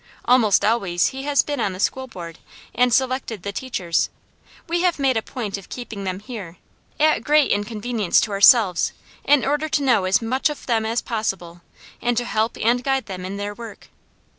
Almost always he has been on the school board and selected the teachers; we have made a point of keeping them here, at great inconvenience to ourselves, in order to know as much of them as possible, and to help and guide them in their work.